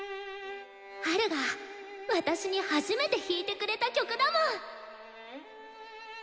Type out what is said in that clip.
ハルが私に初めて弾いてくれた曲だもん！